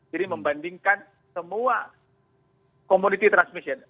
jadi membandingkan semua community transmission